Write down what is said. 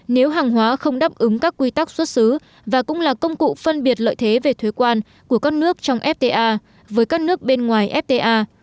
nếu hàng hóa không đáp ứng các quy tắc xuất xứ và cũng là công cụ phân biệt lợi thế về thuế quan của các nước trong fta với các nước bên ngoài fta